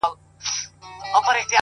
هدف واضح وي نو ګامونه ثابت وي,